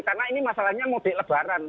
karena ini masalahnya mudik lebaran